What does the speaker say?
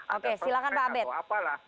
oke silahkan pak abed